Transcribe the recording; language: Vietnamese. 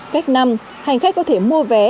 cách năm hành khách có thể mua vé